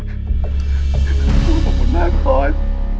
ขอบคุณมากค่อย